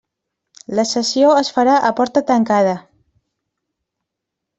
La sessió es farà a porta tancada.